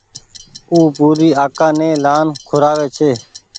او پوري آڪآ ني لآن کورآوي ڇي